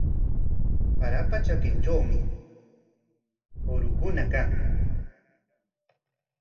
Qaarapa trakintrawmi kurukuna kan.